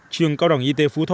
trường cao đẳng y tế phú thọ